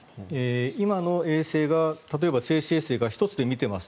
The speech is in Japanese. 今の衛星が例えば、静止衛星が１つで見ています